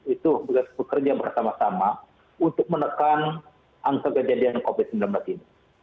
itu bekerja bersama sama untuk menekan angka kejadian covid sembilan belas ini